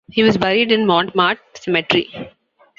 He was buried in Montmartre Cemetery.